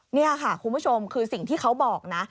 นี่ค่ะคุณผู้ชมคือสิ่งที่เขาบอกนะ